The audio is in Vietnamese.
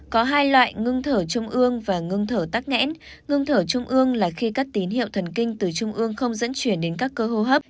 có hai loại ngưng thở trung ương và ngưng thở tắc nghẽn ngưng thở trung ương là khi các tín hiệu thần kinh từ trung ương không dẫn chuyển đến các cơ hô hấp